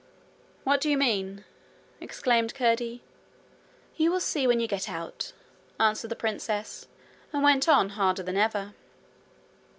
'What do you mean?' exclaimed Curdie. 'You will see when you get out,' answered the princess, and went on harder than ever.